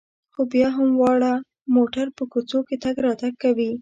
خو بیا هم واړه موټر په کوڅو کې تګ راتګ کوي.